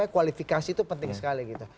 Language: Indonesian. kualifikasi itu penting sekali